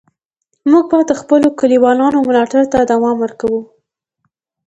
موږ به د خپلو لیکوالانو ملاتړ ته دوام ورکوو.